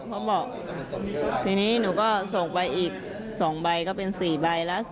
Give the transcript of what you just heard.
เขาบอกทีนี้หนูก็ส่งไปอีก๒ใบก็เป็น๔ใบแล้ว